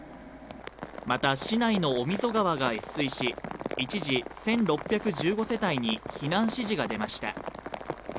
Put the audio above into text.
また、市内の御溝川が越水し一時１６１５世帯に避難指示が出ました。